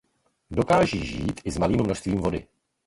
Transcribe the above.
Dokáží žít i s malým množstvím vody.